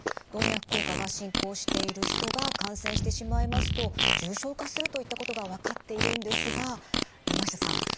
動脈硬化が進行している人が感染してしまいますと重症化するといったことが分かっているんですが山下さん